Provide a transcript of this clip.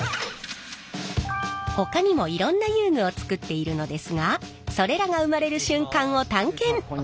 ほかにもいろんな遊具を作っているのですがそれらが生まれる瞬間を探検。